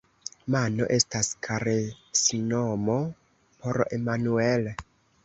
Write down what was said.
Mano estas karesnomo por Emmanuel.